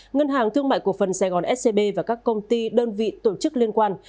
ngân hàng thương mại cổ phần sài gòn scb và các công ty đơn vị tổ chức liên quan